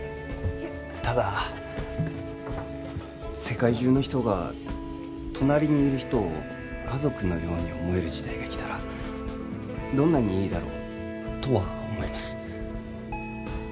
ただ世界中の人が隣にいる人を家族のように思える時代が来たらどんなにいいだろうとは思います。